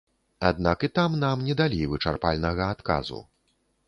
Аднак і там нам не далі вычарпальнага адказу.